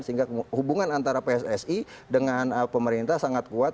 sehingga hubungan antara pssi dengan pemerintah sangat kuat